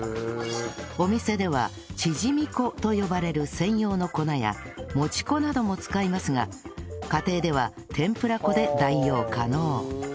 お店では「チヂミ粉」と呼ばれる専用の粉やもち粉なども使いますが家庭では天ぷら粉で代用可能